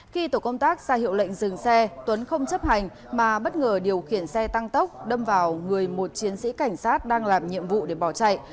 khi tổ công tác ra hiệu lệnh dừng xe tuấn không chấp hành mà bất ngờ điều khiển xe tăng tốc đâm vào người một chiến sĩ cảnh sát đang làm nhiệm vụ để bỏ chạy